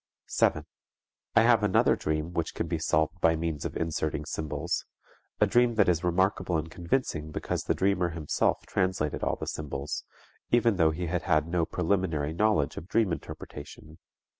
7. I have another dream which can be solved by means of inserting symbols, a dream that is remarkable and convincing because the dreamer himself translated all the symbols, even though he had had no preliminary knowledge of dream interpretation.